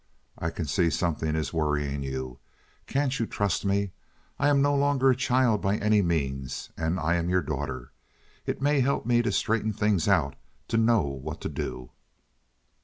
I can see something is worrying you. Can't you trust me? I am no longer a child by any means, and I am your daughter. It may help me to straighten things out, to know what to do."